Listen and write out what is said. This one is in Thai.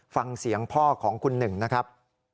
ฟังเสียงพ่อของคุณหนึ่งนะครับ